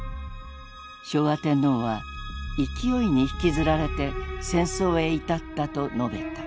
昭和天皇は「勢に引づられて」戦争へ至ったと述べた。